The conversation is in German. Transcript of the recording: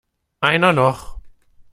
Einer noch!